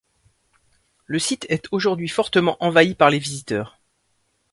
Le site est aujourd'hui fortement envahi par les visiteurs.